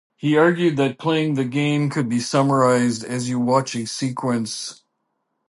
He argued that playing the game could be summarised as you watch a sequence.